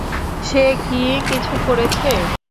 সে কি কিছু করেছে?